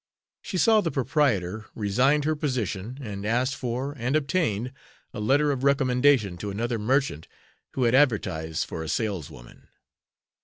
She saw the proprietor, resigned her position, and asked for and obtained a letter of recommendation to another merchant who had advertised for a saleswoman.